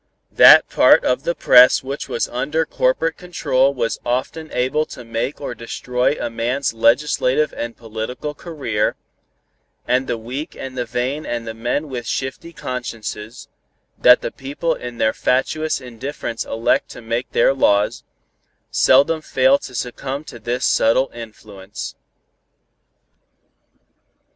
That part of the press which was under corporate control was often able to make or destroy a man's legislative and political career, and the weak and the vain and the men with shifty consciences, that the people in their fatuous indifference elect to make their laws, seldom fail to succumb to this subtle influence.